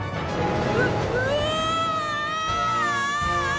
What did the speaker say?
うっうわ！